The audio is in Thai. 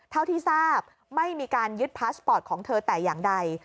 เท่าที่ทราบไม่มีการยึดพาสปอร์ตของเธอแต่อย่างใด